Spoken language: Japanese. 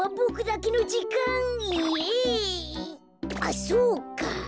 あっそうか。